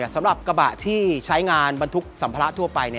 สำหรับกระบะที่ใช้งานบรรทุกสัมภาระทั่วไป